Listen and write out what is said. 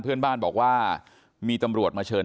เพื่อนบ้านบอกว่ามีตำรวจมาเชิญ